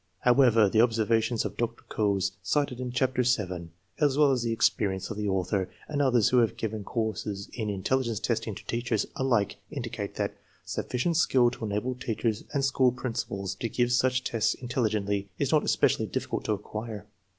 However, the observations of Dr. Kohs, cited in Chapter VII, as well as the experience of the author and others who have given courses in intelligence testing to teachers, alike indicate that EDITOR'S INTRODUCTION is sufficient skill to enable teachers and school principals to give such tests intelligently is not especially difficult to acquire.